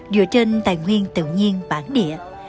dựa trên tài nguyên tự nhiên bản địa